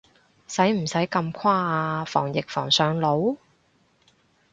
使唔使咁誇啊，防疫防上腦？